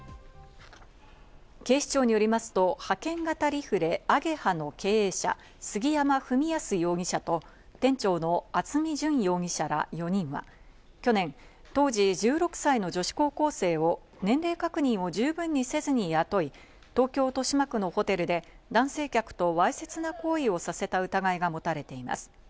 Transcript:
警視庁によりますと、派遣型リフレ・ａｇｅ８の経営者、杉山史泰容疑者と、店長の渥美淳容疑者ら４人は、去年、当時１６歳の女子高校生を、年齢確認を十分にせずに雇い、東京・豊島区のホテルで男性客とわいせつな行為をさせた疑いが持たれています。